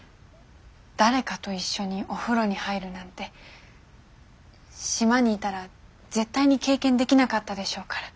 誰かと一緒にお風呂に入るなんて島にいたら絶対に経験できなかったでしょうから。